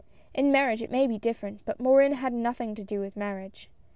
In marriage it may be different ; but Morin had nothing to do with marriage.